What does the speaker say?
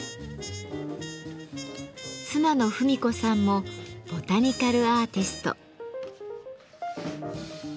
妻の文子さんもボタニカルアーティスト。